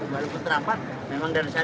walaupun terhambat memang dari sana